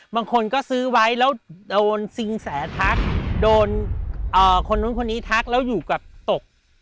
บางคนก็ซื้อไว้แล้วโดนซิงแสทักโดนคนนู้นคนนี้ทักแล้วอยู่กับตก